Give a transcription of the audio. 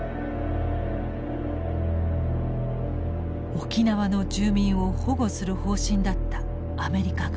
沖縄の住民を保護する方針だったアメリカ軍。